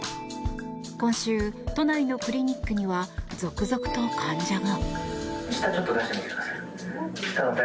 今週、都内のクリニックには続々と患者が。